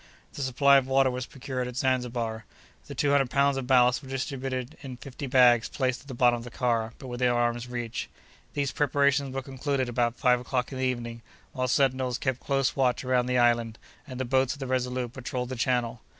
The supply of water was procured at Zanzibar. The two hundred pounds of ballast were distributed in fifty bags placed at the bottom of the car, but within arm's reach. These preparations were concluded about five o'clock in the evening, while sentinels kept close watch around the island, and the boats of the Resolute patrolled the channel.